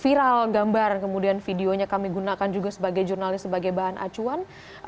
viral gambar kemudian videonya kami gunakan juga sebagai jurnalis sebagai bahan acuan